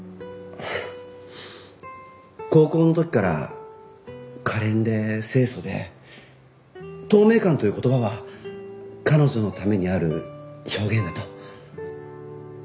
高校の時から可憐で清楚で透明感という言葉は彼女のためにある表現だと。